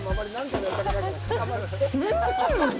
うん！